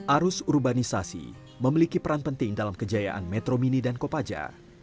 arus urbanisasi memiliki peran penting dalam kejayaan metro mini dan kopaja